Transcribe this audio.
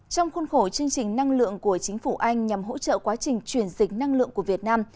trong khuôn khổ chương trình năng lượng của chính phủ anh nhằm hỗ trợ quá trình chuyển dịch năng lượng của việt nam